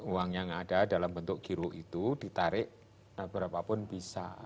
uang yang ada dalam bentuk giro itu ditarik berapapun bisa